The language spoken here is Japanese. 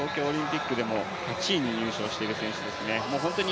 東京オリンピックでも８位に入賞している選手ですね。